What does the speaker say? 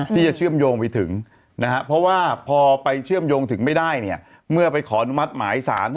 เชื่อมโยงไปถึงเพราะว่าพอไปเชื่อมโยงถึงไม่ได้เมื่อไปขออนุมัติหมายสาร